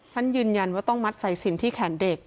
ท่านยืนยันว่าต้องมัดสายสินที่แขนเด็ก